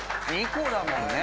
２個だもんね。